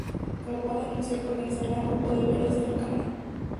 Kawada anunció que organizará un grupo de verdes en la Cámara.